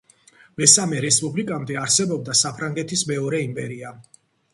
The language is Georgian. მესამე რესპუბლიკამდე არსებობდა საფრანგეთის მეორე იმპერია.